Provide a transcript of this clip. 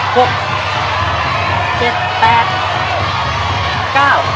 ก้องเล่นมือหน่อยนะครับ